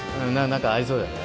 何か合いそうよね。